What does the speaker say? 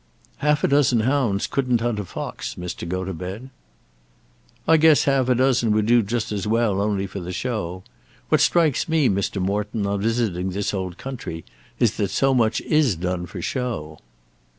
"Half a dozen hounds couldn't hunt a fox, Mr. Gotobed." "I guess half a dozen would do just as well, only for the show. What strikes me, Mr. Morton, on visiting this old country is that so much is done for show."